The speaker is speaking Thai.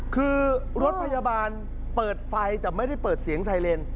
คือรถพยาบาลเปิดไฟแต่ไม่ได้เปิดเสียงไซเรน